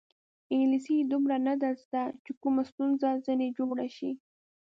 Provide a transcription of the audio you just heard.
انګلیسي یې دومره نه ده زده چې کومه ستونزه ځنې جوړه شي.